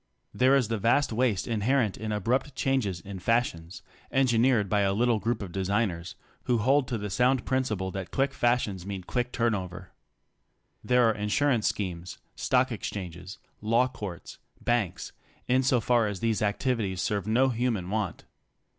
There is the vast waste inherent in abrupt changes in fashions, engineered by a little group of designers, who hold to the sound principle that quick fashions mean quick turn over. There are insurance schemes, stock exchanges, law courts, banks, insofar as these activities serve no human want.